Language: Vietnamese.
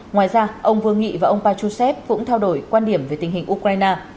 ngoài ra ông vương nghị và ông pachusev cũng trao đổi quan điểm về tình hình ukraine